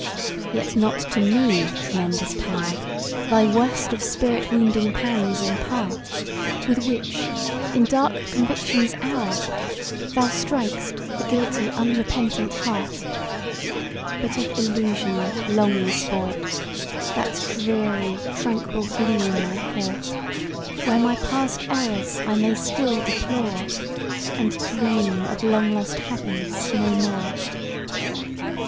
Yet not to me, tremendous Power! Thy worst of spirit wounding pangs impart, With which, in dark conviction's hour, Thou strik'st the guilty unrepentant heart; But of illusion long the sport, That dreary, tranquil gloom I court, Where my past errors I may still deplore, And dream of long lost happiness no more!